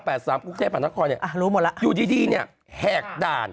๕๙๘๓ภูเชฟฝนทักคอร์เนี่ยอยู่ดีเนี่ยแหกด่าน